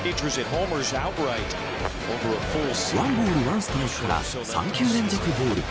１ボール、１ストライクから３球連続ボール。